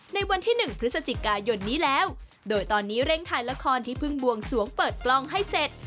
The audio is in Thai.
ในวันที่๑พฤศจิกายนนี้แล้วโดยตอนนี้เร่งถ่ายละครที่เพิ่งบวงสวงเปิดกล้องให้เสร็จ